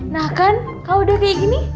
nah kan kalau udah kayak gini